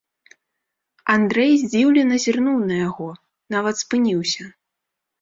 Андрэй здзіўлена зірнуў на яго, нават спыніўся.